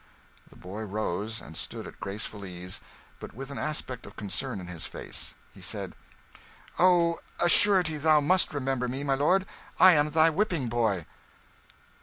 The boy rose, and stood at graceful ease, but with an aspect of concern in his face. He said "Of a surety thou must remember me, my lord. I am thy whipping boy."